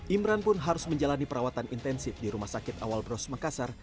imran pun harus menjalani perawatan intensif di rumah sakit awal bros makassar